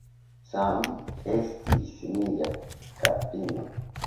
Sam estis mia kaprino.